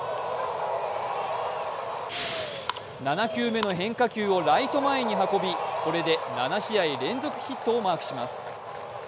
７球目の変化球をライト前に運び、これで７試合連続ヒットをマークします。